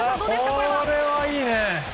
これはいいね。